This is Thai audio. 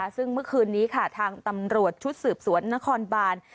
ซึ่งเมื่อคืนนี้ค่ะทางตำรวจชุดสืบสวนนครบาน